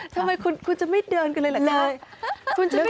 ทำไมคุณจะไม่เดินกันเลยเหรอจ๊ะ